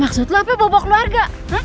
maksud lo apa yang bobok keluarga